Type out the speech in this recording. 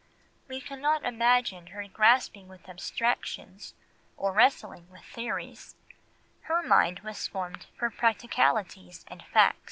We cannot imagine her grasping abstractions or wrestling with theories; her mind was formed for practicalities and facts.